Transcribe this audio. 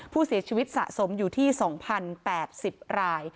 ผู้เสียชีวิตสะสมอยู่ที่๒๐๘๐ราย